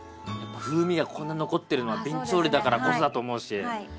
風味がこんな残ってるのはびん調理だからこそだと思うし。